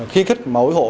khi khích mỗi hộ